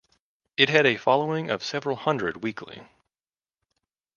It had a following of several Hundred weekly.